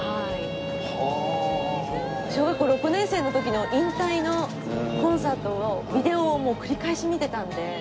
小学校６年生の時引退のコンサートをビデオを繰り返し見てたので。